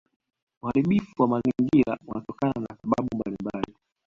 uharibifu wa mazingira unatokana na sababu mbalimbali